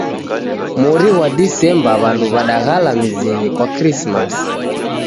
Mori ghwa Disemba w'andu w'adaghala mizinyi kwa Krismasi